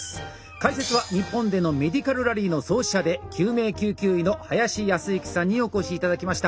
解説は日本でのメディカルラリーの創始者で救命救急医の林靖之さんにお越し頂きました。